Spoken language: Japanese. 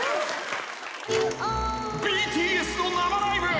［ＢＴＳの生ライブ］